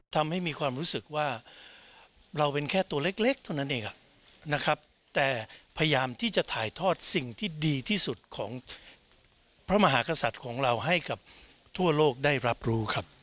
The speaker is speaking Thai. ทำให้มีความรู้สึกว่าเราเป็นแค่ตัวเล็กเท่านั้นเองนะครับแต่พยายามที่จะถ่ายทอดสิ่งที่ดีที่สุดของพระมหากษัตริย์ของเราให้กับทั่วโลกได้รับรู้ครับ